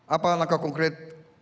apa langkah konkret